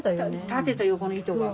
縦と横の糸が。